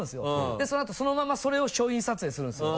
でそのあとそのままそれを商品撮影するんですよ。